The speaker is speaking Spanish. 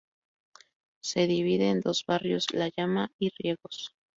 Se divide en dos barrios, la Llama y Riegos.